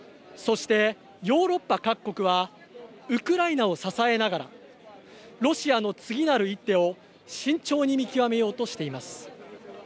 そしてヨーロッパ各国はウクライナを支えながらロシアの次なる一手を慎重に見極めようとしています。